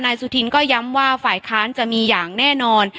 สุธินก็ย้ำว่าฝ่ายค้านจะมีอย่างแน่นอน